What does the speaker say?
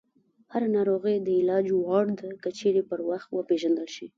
هره ناروغي د علاج وړ ده، که چیرې پر وخت وپېژندل شي.